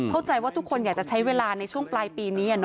เข้าใจว่าทุกคนอยากจะใช้เวลาในช่วงปลายปีนี้